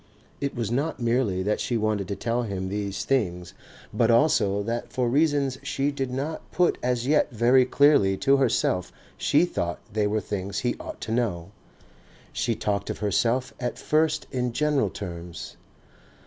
It was not merely that she wanted to tell him these things but also that for reasons she did not put as yet very clearly to herself she thought they were things he ought to know. She talked of herself at first in general terms.